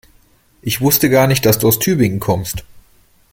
Ich wusste gar nicht, dass du aus Tübingen kommst